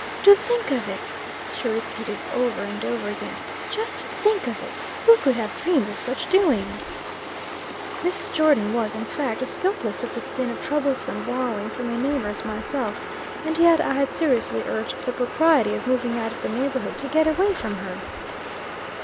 "To think of it!" she repeated over and over again. "Just to think of it! Who could have dreamed of such doings?" Mrs. Jordon was, in fact, as guiltless of the sin of troublesome borrowing from a neighbor as myself. And yet I had seriously urged the propriety of moving out of the neighborhood to get away from her.